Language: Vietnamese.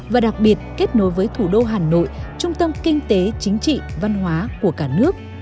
và đặc biệt kết nối với thủ đô hà nội trung tâm kinh tế chính trị văn hóa của cả nước